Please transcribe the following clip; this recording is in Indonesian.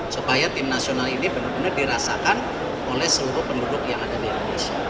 supaya tim nasional ini benar benar dirasakan oleh seluruh penduduk yang ada di indonesia